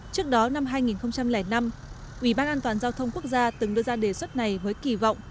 trước đó năm hai nghìn năm ủy ban an toàn giao thông quốc gia từng đưa ra đề xuất này với kỳ vọng